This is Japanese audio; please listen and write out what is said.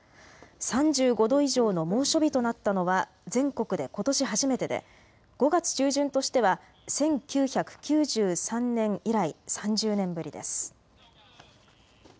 ３５度以上の猛暑日となったのは全国でことし初めてで５月中旬としては１９９３年以来、３０年ぶりです。